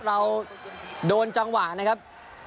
เราโดนจังหวะนะครับ